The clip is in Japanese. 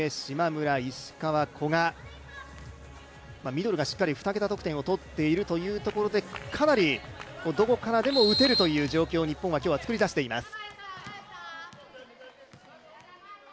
ミドルがしっかり２桁得点をとっているというところでかなりどこからでも打てる状況を今日は日本は作り出しています。